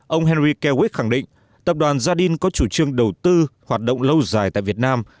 ông henry kawit khẳng định tập đoàn gia đình có chủ trương đầu tư hoạt động lâu dài tại việt nam